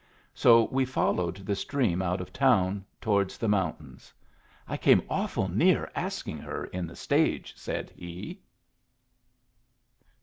So we followed the stream out of town towards the mountains. "I came awful near asking her in the stage," said he.